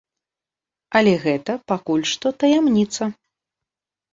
Але гэта пакуль што таямніца.